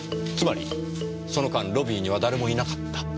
つまりその間ロビーには誰もいなかった？